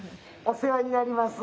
お世話になります。